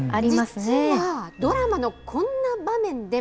実はドラマのこんな場面でも。